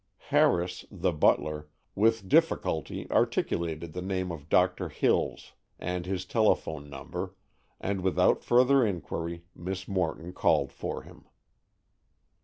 Harris, the butler, with difficulty articulated the name of Doctor Hills and his telephone number, and without further inquiry Miss Morton called for him.